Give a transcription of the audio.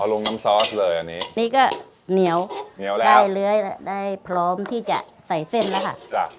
ลงน้ำซอสเลยอันนี้นี่ก็เหนียวเหนียวแล้วได้เลื้อยแล้วได้พร้อมที่จะใส่เส้นแล้วค่ะจ้ะ